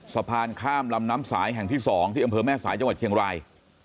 สะพานข้ามลำน้ำสายแห่งที่๒ที่อำเภอแม่สายจังหวัดเชียงราย